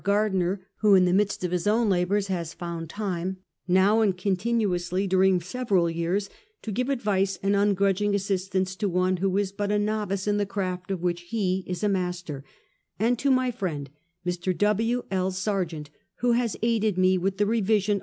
Gardiner, who in the midst of his own labours has found time, now and con tinuously during several years, to give advice and ungrudging assistance to one who is but a novice in the craft of which he is a master ; and to my friend Mr. W. L. Sargant, who has aided me with the revision